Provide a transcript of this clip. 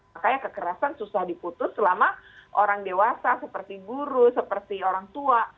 makanya kekerasan susah diputus selama orang dewasa seperti guru seperti orang tua